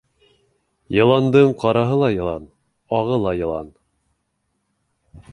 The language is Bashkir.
Йыландың ҡараһы ла йылан, ағы ла йылан.